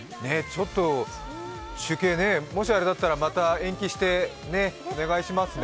中継ね、もしあれだったらまた延期してお願いしますね。